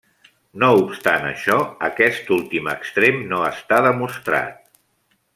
No obstant això, aquest últim extrem no està demostrat.